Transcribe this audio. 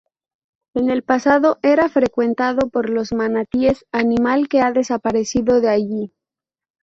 En el pasado era frecuentado por los manatíes, animal que ha desaparecido de allí.